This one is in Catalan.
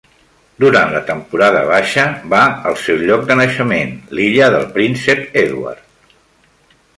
Durant la temporada baixa, va al seu lloc de naixement, l'Illa del Príncep Eduard.